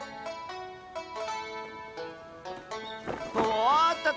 おっとっ